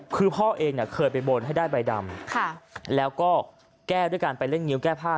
คือพ่อเองเคยไปบนให้ได้ใบดำแล้วก็แก้ด้วยการไปเล่นงิ้วแก้ผ้า